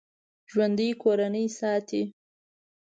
ژوندي کورنۍ ساتي